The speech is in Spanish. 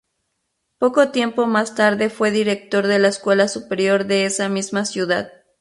Poco tiempo más tarde fue director de la Escuela Superior de esa misma ciudad.